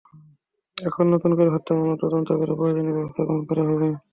এখন নতুন করে হত্যা মামলার তদন্ত করে প্রয়োজনীয় ব্যবস্থা গ্রহণ করা হবে।